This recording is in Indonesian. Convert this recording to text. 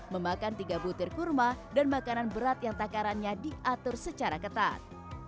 memakan tiga butir kurma dan makanan berat yang takarannya diatur secara ketat